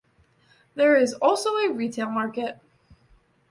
There is also a retail market.